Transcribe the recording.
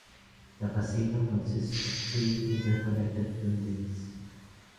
The casino consists of three interconnected buildings.